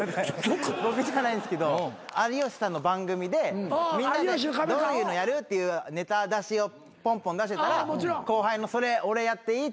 僕じゃないんですけど有吉さんの番組でみんなでどういうのやるっていうネタ出しをポンポン出してたら後輩のそれ俺やっていい？